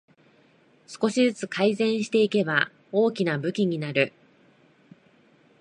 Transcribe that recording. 少しずつ改善していけば大きな武器になる